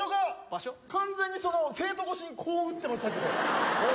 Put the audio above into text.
完全に生徒越しにこう撃ってましたけど。